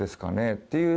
っていう。